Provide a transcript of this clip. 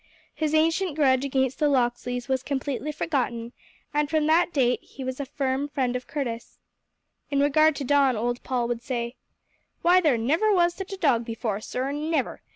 His ancient grudge against the Locksleys was completely forgotten, and from that date he was a firm friend of Curtis. In regard to Don, old Paul would say: "Why, there never was such a dog before, sir, never!